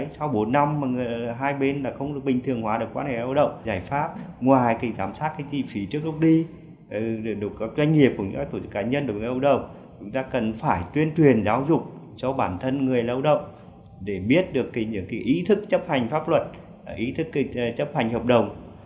sau bốn năm mà hai bên không được bình thường hóa được quan hệ lao động giải pháp ngoài giám sát chi phí trước lúc đi được các doanh nghiệp các tổ chức cá nhân được người lao động chúng ta cần phải tuyên truyền giáo dục cho bản thân người lao động để biết được những ý thức chấp hành pháp luật ý thức chấp hành hợp đồng